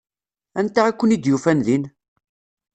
Anta i ken-id-yufan din?